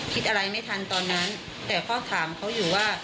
คิดอะไรไม่ทันตอนนั้นแต่พ่อถามเขาอยู่ว่า